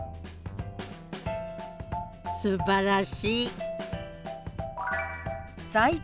すばらしい！